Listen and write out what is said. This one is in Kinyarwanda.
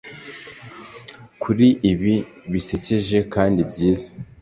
kuri ibi bisekeje kandi byiza